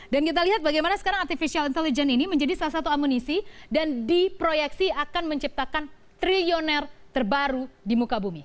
dan kita lihat bagaimana sekarang artificial intelligence ini menjadi salah satu amunisi dan diproyeksi akan menciptakan triliuner terbaru di muka bumi